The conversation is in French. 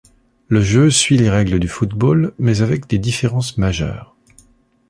Le jeu suit les règles du football, mais avec des différences majeures.